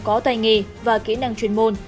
có tài nghề và kỹ năng chuyên môn